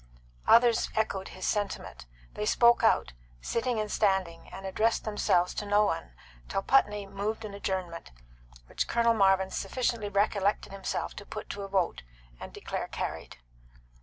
Others echoed his sentiment; they spoke out, sitting and standing, and addressed themselves to no one, till Putney moved an adjournment, which Colonel Marvin sufficiently recollected himself to put to a vote, and declare carried.